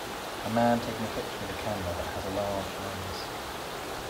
A man taking a picture with a camera that has a large lens.